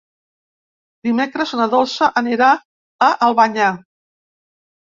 Dimecres na Dolça anirà a Albanyà.